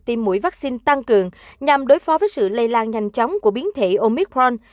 tiêm mũi vaccine tăng cường nhằm đối phó với sự lây lan nhanh chóng của biến thể omicron